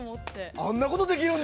あんなことできるんだ！